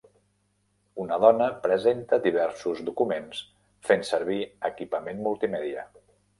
Una dona presenta diversos documents fent servir equipament multimèdia.